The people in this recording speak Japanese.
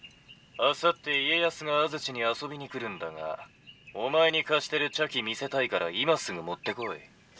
「あさって家康が安土に遊びに来るんだがお前に貸してる茶器見せたいから今すぐ持ってこい」。